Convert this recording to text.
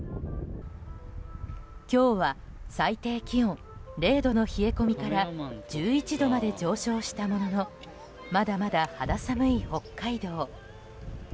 今日は最低気温０度の冷え込みから１１度まで上昇したもののまだまだ肌寒い北海道。